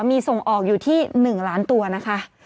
มีส่งออกอยู่ที่๑ล้านตัวนะคะ